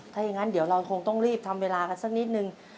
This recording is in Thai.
ถ้าอย่างนั้นเดี๋ยวเราคงต้องรีบทำเวลากันสักนิดนึง